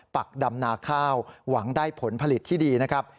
ปักดำนาข้าวหวังได้ผลผลิตที่ดีนะครับ